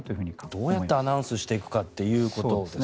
どうやってアナウンスしていくかということですね。